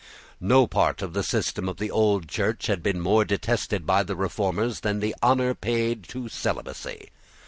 No part of the system of the old Church had been more detested by the Reformers than the honour paid to celibacy.